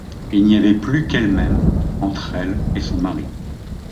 Il n’y avait plus qu’elle-même entre elle et son mari.